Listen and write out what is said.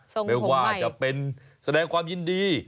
ส่งผมใหม่แม้ว่าจะเป็นแสดงความยินดี